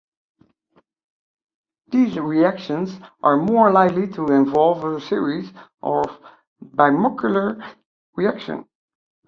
These reactions are more likely to involve a series of bimolecular reactions.